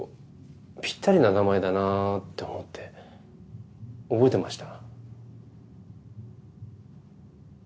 ピッタリな名前だなって思って覚えてました。